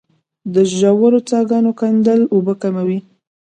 د ژورو څاګانو کیندل اوبه کموي